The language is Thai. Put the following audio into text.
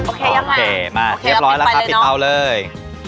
โอเคยังไงโอเคมาเรียบร้อยแล้วครับปิดเตาเลย